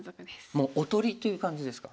もうおとりという感じですか。